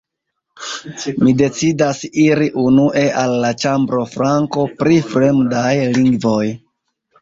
Mi decidas iri unue al la ĉambroflanko pri fremdaj lingvoj.